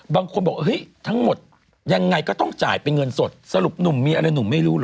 บางคนบอกเฮ้ยทั้งหมดยังไงก็ต้องจ่ายเป็นเงินสดสรุปหนุ่มมีอะไรหนุ่มไม่รู้เหรอ